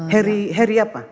heri heri apa